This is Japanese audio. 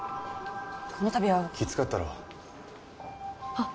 この度はきつかったろはっ？